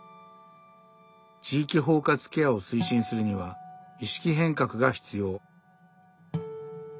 「地域包括ケアを推進するには意識変革が必要」。